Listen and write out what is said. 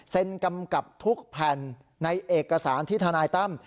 กำกับทุกแผ่นในเอกสารที่ทนายตั้ม